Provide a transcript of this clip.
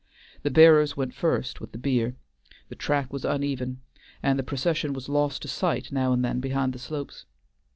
The bearers went first with the bier; the track was uneven, and the procession was lost to sight now and then behind the slopes.